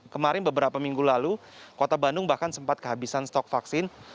kemarin beberapa minggu lalu kota bandung bahkan sempat kehabisan stok vaksin